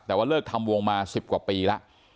แต่ว่าเลิกทำวงมาสิบกว่าปีละ